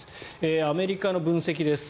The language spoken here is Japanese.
アメリカの分析です。